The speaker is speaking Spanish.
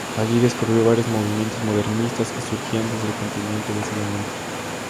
Allí descubrió varios movimientos modernistas, que surgían desde el continente en ese momento.